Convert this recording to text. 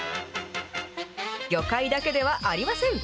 魚介だけではありません。